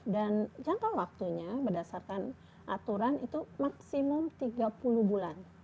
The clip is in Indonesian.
dan jangka waktunya berdasarkan aturan itu maksimum tiga puluh bulan